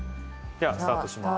ではスタートします。